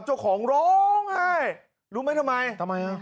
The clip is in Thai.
เจ้าของร้องไห้รู้ไหมทำไมทำไมฮะ